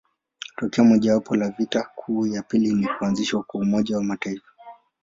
Tokeo mojawapo la vita kuu ya pili ni kuanzishwa kwa Umoja wa Mataifa.